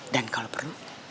dan kalau perlu